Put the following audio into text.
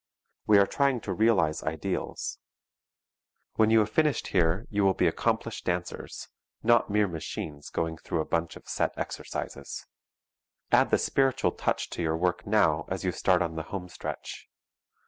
We are trying to realize ideals. When you have finished here you will be accomplished dancers, not mere machines going through a bunch of set exercises. Add the spiritual touch to your work now as you start on the home stretch.